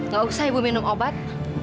gak usah ibu minum obat